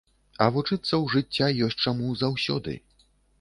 А вучыцца ў жыцця ёсць чаму заўсёды.